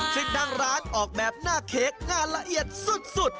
ซึ่งทางร้านออกแบบหน้าเค้กงานละเอียดสุด